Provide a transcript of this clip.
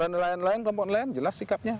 nelayan nelayan kelompok nelayan jelas sikapnya